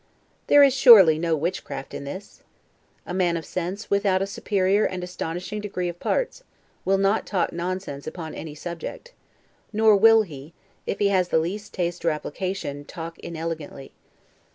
There is, surely, no witchcraft in this. A man of sense, without a superior and astonishing degree of parts, will not talk nonsense upon any subject; nor will he, if he has the least taste or application, talk inelegantly.